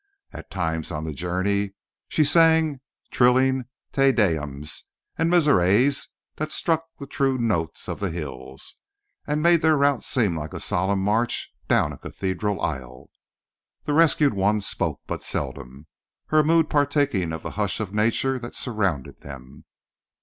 At times on the journey she sang thrilling te deums and misereres that struck the true note of the hills, and made their route seem like a solemn march down a cathedral aisle. The rescued one spoke but seldom, her mood partaking of the hush of nature that surrounded them.